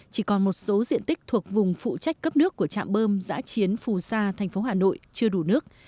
chỉ còn một số diện tích thuộc vùng phụ trách cấp nước của trạm bơm giã chiến phù sa thành phố hà nội chưa đủ nước